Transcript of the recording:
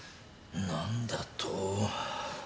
何だと。